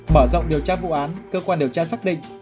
mở rộng điều tra vụ án cơ quan điều tra xác định